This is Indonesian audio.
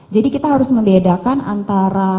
jadi kita harus membedakan antara